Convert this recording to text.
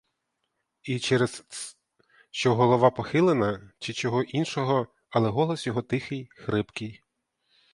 І через тс, що голова похилена, чи чого іншого, але голос його тихий, хрипкий.